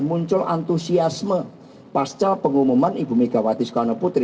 muncul antusiasme pasca pengumuman ibu megawati soekarno putri